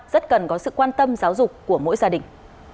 rất cần có sự quan tâm giáo dục của mỗi gia đình